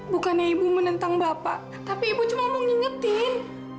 bukannya ibu menentang bapak tapi ibu cuma mau ngingetin